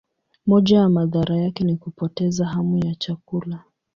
Moja ya madhara yake ni kupoteza hamu ya chakula.